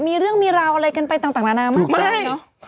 มีเรื่องมีราวอะไรกันไปต่างต่างนานานมากเลยเนอะไม่